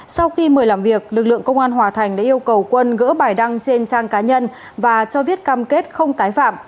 sau khi mời làm việc lực lượng công an hòa thành đã yêu cầu quân gỡ bài đăng trên trang cá nhân và cho viết cam kết không tái phạm